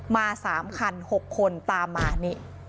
มา๓คัน๖คนตามมานี่